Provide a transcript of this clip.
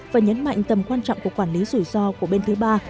và nhấn mạnh tầm quan trọng của quản lý rủi ro của bên thứ ba